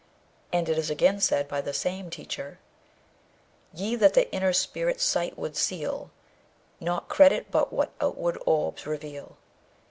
And it is again said by that same teacher: Ye that the inner spirit's sight would seal, Nought credit but what outward orbs reveal.